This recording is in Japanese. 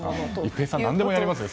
一平さん何でもやりますね。